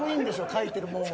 書いてるもんは。